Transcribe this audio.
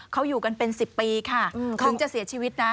เขาอยู่กันเป็น๑๐ปีค่ะถึงจะเสียชีวิตนะ